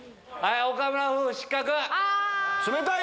岡村夫婦失格！